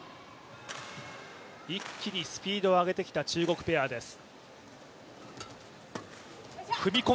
一気にスピードを上げてきた中国ペアです。